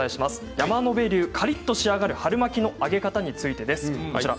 山野辺流カリっと仕上がる春巻きの揚げ方についてです。